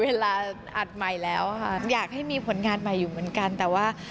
เพราะว่าอย่างนี้ค่ะต้องทุ่มเทเวลาให้กับงานเพลงอยากให้มันออกมาดีนะคะ